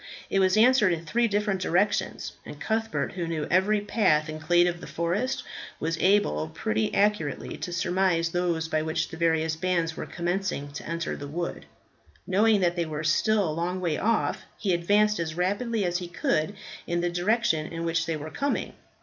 It was answered in three different directions, and Cuthbert, who knew every path and glade of the forest, was able pretty accurately to surmise those by which the various bands were commencing to enter the wood. Knowing that they were still a long way off, he advanced as rapidly as he could in the direction in which they were coming.